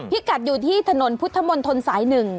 พิกัดอยู่ที่ถนนพุทธมลทนสายหนึ่ง